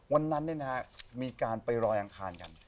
วันนั้นเนี่ยนะฮะมีการไปรอยอังคารกัน